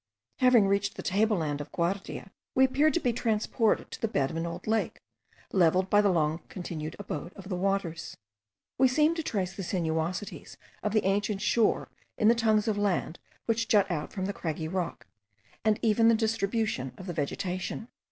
Having reached the table land of Guardia, we appeared to be transported to the bed of an old lake, levelled by the long continued abode of the waters. We seemed to trace the sinuosities of the ancient shore in the tongues of land which jut out from the craggy rock, and even in the distribution of the vegetation.